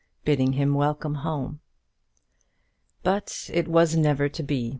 bidding him welcome home. But it was never to be!